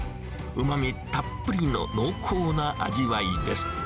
うまみたっぷりの濃厚な味わいです。